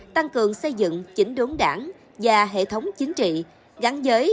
tăng cường xây dựng chỉnh đốn đảng và hệ thống chính trị gắn giới